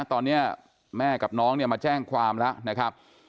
ตอนนี้แม่กับน้องเนี่ยมาแจ้งความแล้วนะครับ